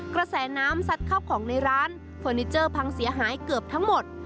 กระแสน้ำซัดเข้าของในร้านเฟอร์นิเจอร์พังเสียหายเกือบทั้งหมด